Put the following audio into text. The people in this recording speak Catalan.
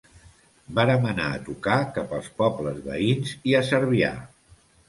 Vàrem anar a tocar cap als pobles veïns i a Cervià.